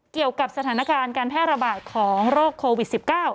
เกี่ยวกับสถานการณ์การแพร่ระบาดของโรคโควิด๑๙